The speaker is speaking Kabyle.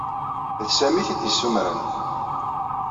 D Sami ay t-id-yessumren.